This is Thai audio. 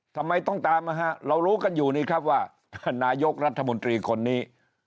ทำไมต้องตามนะฮะเรารู้กันอยู่นี่ครับว่านายกรัฐมนตรีคนนี้